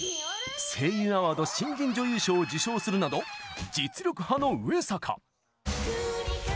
声優アワード新人女優賞を受賞するなど、実力派の上坂。